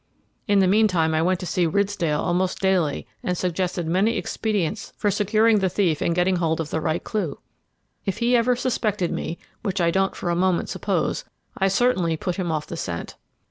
In the meantime I went to see Ridsdale almost daily, and suggested many expedients for securing the thief and getting hold of the right clue. If he ever suspected me, which I don't for a moment suppose, I certainly put him off the scent.